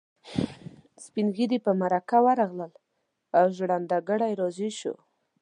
سپين ږيري په مرکه ورغلل او ژرنده ګړی راضي شو.